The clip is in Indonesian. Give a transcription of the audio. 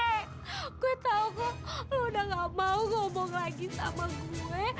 aku tahu kamu sudah tidak mau berbicara lagi dengan aku